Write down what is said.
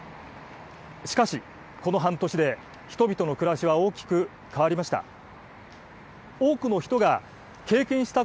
しかし、この半年で人々の暮らしは大きく変わりました。